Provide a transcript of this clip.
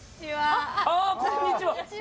こんにちは。